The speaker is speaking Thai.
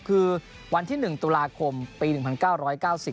คือวันที่๑ตุลาคมปี๑๙๙๐